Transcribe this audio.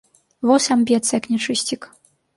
Во сам б'ецца, як нячысцік.